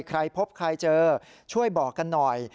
ใครพบใครเจอช่วยบอกกันหน่อย